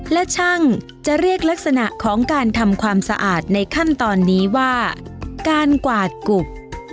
และช่างจะเรียกลักษณะของการทำความสะอาดในขั้นตอนนี้ว่าการกวาดกุบ